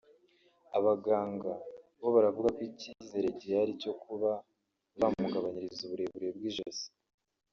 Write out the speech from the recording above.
Abaganga bo baravuga ko icyizere gihari cyo kuba bamugabanyiriza uburebure bw’ijosi